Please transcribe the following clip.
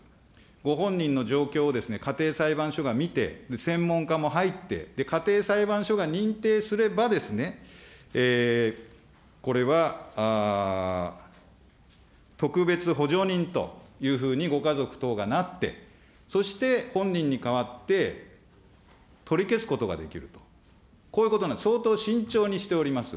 ご本人の状況を家庭裁判所が見て、専門家も入って、家庭裁判所が認定すれば、これは特別補助人というふうにご家族等がなって、そして本人に代わって取り消すことができると、こういうことなんです、相当慎重にしております。